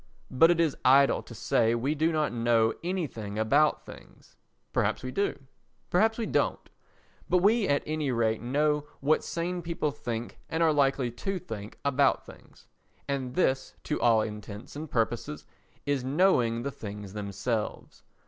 But it is idle to say we do not know anything about things—perhaps we do, perhaps we don't—but we at any rate know what sane people think and are likely to think about things, and this to all intents and purposes is knowing the things themselves.